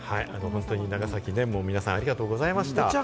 長崎の皆さん、ありがとうございました。